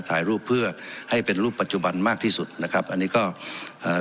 ถ่ายรูปเพื่อให้เป็นรูปปัจจุบันมากที่สุดนะครับอันนี้ก็อ่า